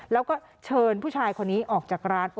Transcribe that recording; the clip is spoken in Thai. แล้วก็เชิญผู้ชายคนนี้ออกจากร้าน